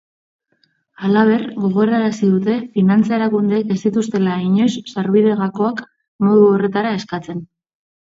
Halaber, gogorarazi dute finantza erakundeek ez dituztela inoiz sarbide-gakoak modu horretara eskatzen.